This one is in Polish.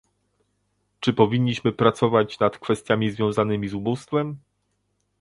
"Czy powinniśmy pracować nad kwestiami związanymi z ubóstwem?